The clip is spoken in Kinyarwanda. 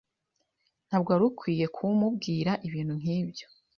Ntabwo wari ukwiye kumubwira ibintu nkibyo.